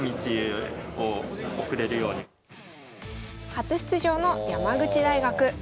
初出場の山口大学。